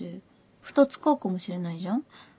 ふた使うかもしれないじゃん？